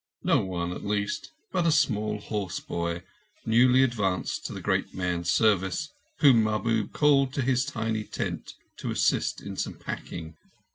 No one, at least, but one small horseboy, newly advanced to the great man's service, whom Mahbub called to his tiny tent to assist in some packing.